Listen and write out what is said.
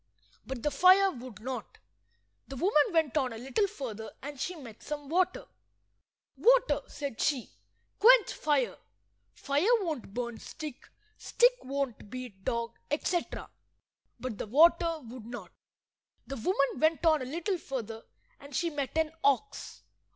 But the fire would not. The woman went on a little further and she met some water. "Water," said she, "quench fire. Fire won't burn stick, stick won't beat dog," etc. But the water would not. The woman went on a little further, and she met an ox.